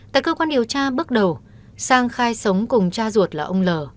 tại cơ quan điều tra bước đầu sang khai sống cùng cha ruột là ông lờ